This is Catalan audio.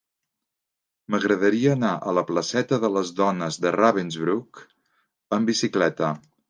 M'agradaria anar a la placeta de les Dones de Ravensbrück amb bicicleta.